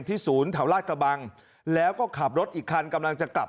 ศูนย์แถวลาดกระบังแล้วก็ขับรถอีกคันกำลังจะกลับ